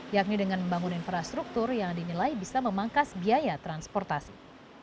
yakni dengan membangun infrastruktur yang dinilai bisa memangkas biaya transportasi